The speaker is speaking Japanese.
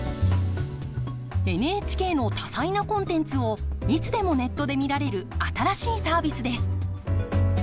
ＮＨＫの多彩なコンテンツをいつでもネットで見られる新しいサービスです。